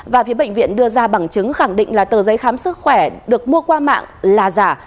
và phía bệnh viện đưa ra bằng chứng khẳng định là tờ giấy khám sức khỏe được mua qua mạng là giả